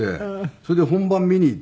それで本番見に行って。